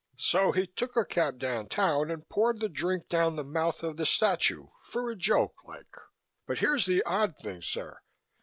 So he took a cab downtown and poured the drink down the mouth of the statue for a joke, like. But here's the odd thing, sir.